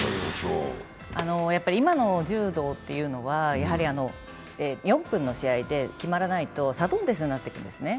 やはり今の柔道というのは４分の試合で決まらないとサドンデスになっていくんですね。